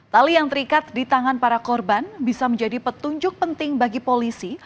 tali yang terikat di tangan para korban bisa menjadi petunjuk penting bagi polisi